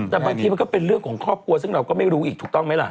แต่บางทีมันก็เป็นเรื่องของครอบครัวซึ่งเราก็ไม่รู้อีกถูกต้องไหมล่ะ